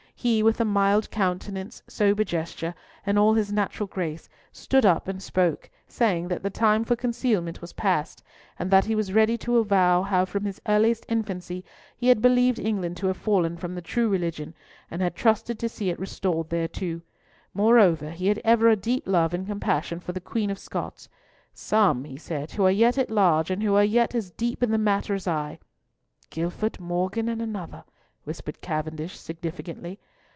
He, with "a mild countenance, sober gesture," and all his natural grace, stood up and spoke, saying "that the time for concealment was past, and that he was ready to avow how from his earliest infancy he had believed England to have fallen from the true religion, and had trusted to see it restored thereto. Moreover, he had ever a deep love and compassion for the Queen of Scots. Some," he said, "who are yet at large, and who are yet as deep in the matter as I—" "Gifford, Morgan, and another," whispered Cavendish significantly.